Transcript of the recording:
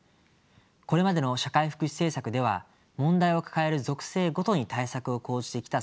これまでの社会福祉政策では問題を抱える属性ごとに対策を講じてきた側面があります。